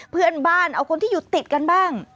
เพื่อนบ้านเอาคนที่อยู่ติดกันบ้าง